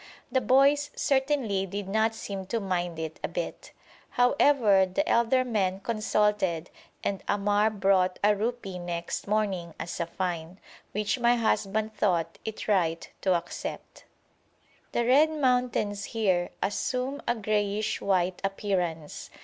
The boys certainly did not seem to mind it a bit. However, the elder men consulted and Ammar brought a rupee next morning as a fine, which my husband thought it right to accept. The red mountains here assume a greyish white appearance.